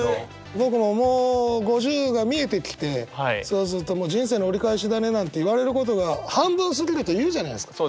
僕ももう５０が見えてきてそうすると「人生の折り返しだね」なんて言われることが半分過ぎると言うじゃないですか。